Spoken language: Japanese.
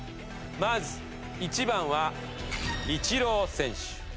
まず１番はイチロー選手。